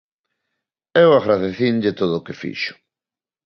Eu agradecinlle todo o que fixo.